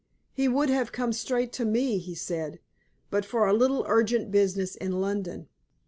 He would have come straight to me, he said, but for a little urgent business in London."